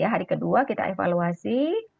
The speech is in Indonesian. hari kedua kita evaluasi